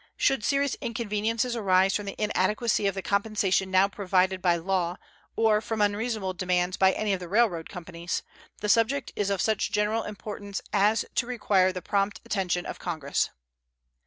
Should serious inconveniences arise from the inadequacy of the compensation now provided by law, or from unreasonable demands by any of the railroad companies, the subject is of such general importance as to require the prompt attention of Congress.